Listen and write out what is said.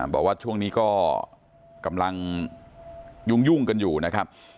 บอกว่าช่วงนี้ก็กำลังยุ่งกันอยู่นะครับ